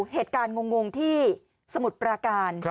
เหตุการณ์งงที่สมุทรปราการ